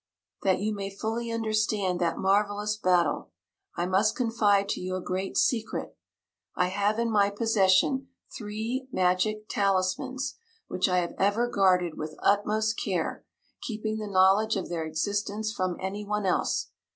"That you may fully understand that marvelous battle, I must confide to you a great secret. I have in my possession three Magic Talismans, which I have ever guarded with utmost care, keeping the knowledge of their existence from anyone else.